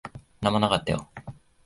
何もなかったよ。